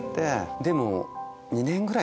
でも。